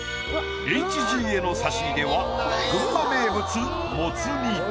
ＨＧへの差し入れは群馬名物。